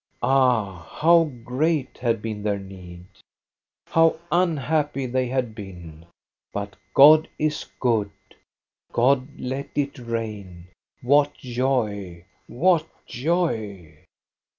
Ah, how great had been their need I How unhappy they had been ! But God is good ! God let it rain. What joy, what joy